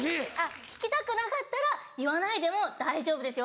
聞きたくなかったら言わないでも大丈夫ですよ。